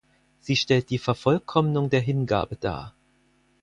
Sie stellt die Vervollkommnung der Hingabe dar.